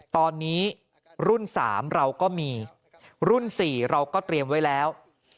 ตอนนี้รุ่น๓เราก็มีรุ่น๔เราก็เตรียมไว้แล้ว